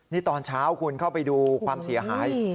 นี่ตอนเช้าคุณเข้าไปดูความเสียหาย